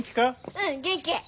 うん元気。